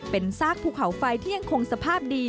เป็นซากภูเขาไฟที่ยังคงสภาพดี